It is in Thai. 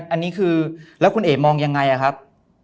อันนี้คือแล้วคุณเอกมองยังไงอะครับ